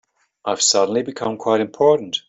I've suddenly become quite important.